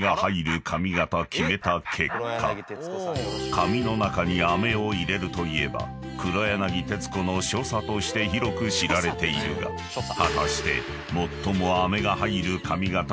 ［髪の中にアメを入れるといえば黒柳徹子の所作として広く知られているが果たして］